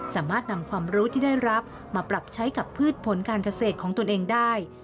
สามารถนำความรู้ที่ได้รับมาปรับใช้กับพืชผลการเกษตรของตนเองได้